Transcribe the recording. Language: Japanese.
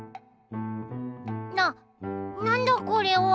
なっなんだこれは！？